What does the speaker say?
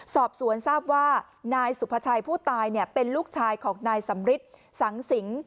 สอบสวนทราบว่านายสุภาชัยผู้ตายเป็นลูกชายของนายสำริทสังสิง